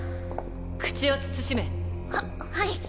口を慎め。ははい。